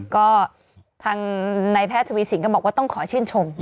ก็ทางนายแพทย์ทวีสินก็บอกว่าต้องขอชื่นชม